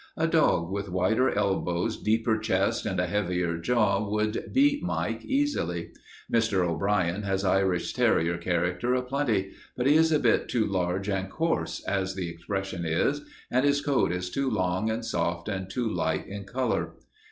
A dog with wider elbows, deeper chest, and a heavier jaw would beat Mike easily. Mr. O'Brien has Irish terrier character a plenty, but he is a bit too large and coarse, as the expression is, and his coat is too long and soft and too light in color.